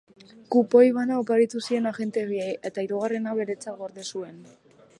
Kupoi bana oparitu zien agente biei eta hirugarrena beretzat gorde zuen.